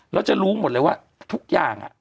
แล้วจะรู้หมดเลยว่าทุกอย่าง